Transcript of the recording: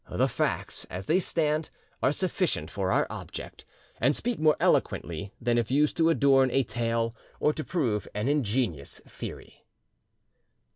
The facts as they stand are sufficient for our object, and speak more eloquently than if used to adorn a tale or to prove an ingenious theory.